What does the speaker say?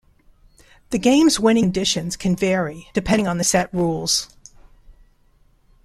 The game's winning conditions can vary depending on the set rules.